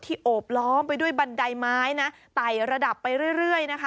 โอบล้อมไปด้วยบันไดไม้นะไต่ระดับไปเรื่อยนะคะ